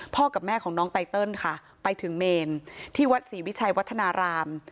กับแม่ของน้องไตเติลค่ะไปถึงเมนที่วัดศรีวิชัยวัฒนาราม